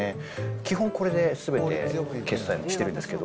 基本これですべて決済をしてるんですけど。